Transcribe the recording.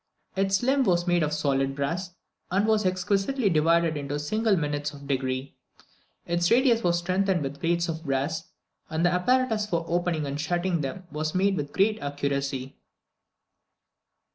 Its limb was made of solid brass, and was exquisitely divided into single minutes of a degree. Its radii were strengthened with plates of brass, and the apparatus for opening and shutting them was made with great accuracy.